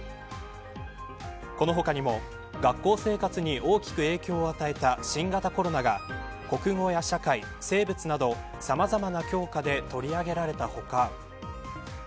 この他にも学校生活に大きく影響を与えた新型コロナが、国語や社会生物など、さまざまな教科で取り上げられた他